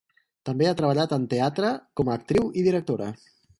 També ha treballat en teatre, com a actriu i directora.